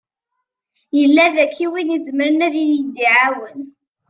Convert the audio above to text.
Yella daki win i izemren ad yi-d-iɛawen?